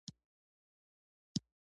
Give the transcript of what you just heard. تل اماده اوسه او تل رښتینی پوه شوې!.